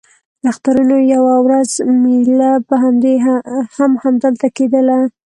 د اخترونو یوه ورځ مېله به هم همدلته کېدله.